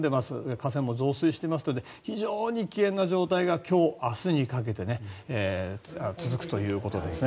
河川も増水していますので非常に危険な状態が今日明日にかけて続くということです。